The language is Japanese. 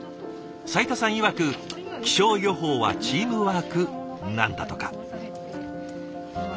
斉田さんいわく「気象予報はチームワーク」なんだとか。